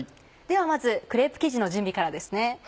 ではまずクレープ生地の準備からですね。